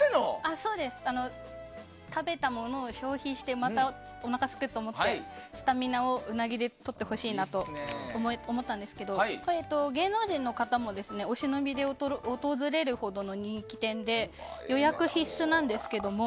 食べたものを消費してまた、おなかがすくと思ってスタミナをウナギでとってほしいなと思ったんですけど芸能人の方も、お忍びで訪れるほどの人気店で予約必須なんですけれども。